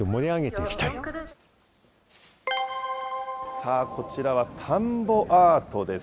さあ、こちらは田んぼアートです。